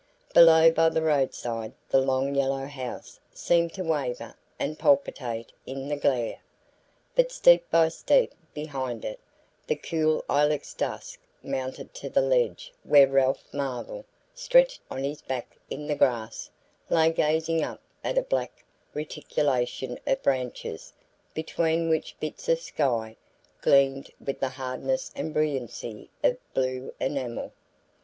Below, by the roadside, the long yellow house seemed to waver and palpitate in the glare; but steep by steep, behind it, the cool ilex dusk mounted to the ledge where Ralph Marvell, stretched on his back in the grass, lay gazing up at a black reticulation of branches between which bits of sky gleamed with the hardness and brilliancy of blue enamel.